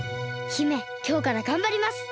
姫きょうからがんばります。